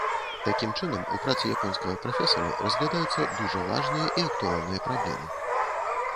Такім чынам, у працы японскага прафесара разглядаюцца дужа важныя і актуальныя праблемы.